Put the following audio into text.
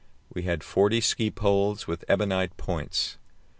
We had forty ski poles, with ebonite points.